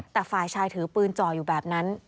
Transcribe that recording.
แต่ฝ่ายชายถือปืนจ่ออยู่แบบนั้น